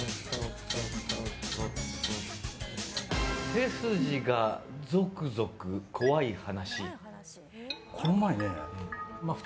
背筋がゾクゾク怖い話。